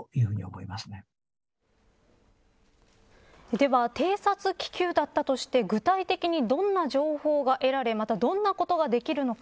では、偵察気球だったとして具体的にどんな情報が得られまた、どんなことができるのか。